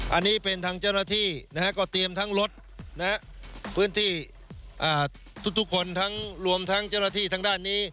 อันนี้เป็นทางเจ้าหน้าที่นะฮะก็เตรียมทั้งรถพื้นที่ทุกคนทั้งรวมทั้งเจ้าหน้าที่ทางด้านนี้